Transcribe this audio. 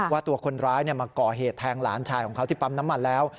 ว่าตัวคนร้ายมาก่อเหตุแทงหลานชายของเขาที่ปั๊มน้ำมันแล้ว